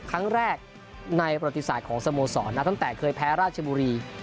ครั้งแรกในประติศาสตร์ของสโมสรนะตั้งแต่เคยแพ้ราชบุรี